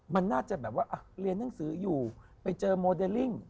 มันน่าจะแบบว่าเรียนหนังสืออยู่ไปเจอโมเดลลิ่ง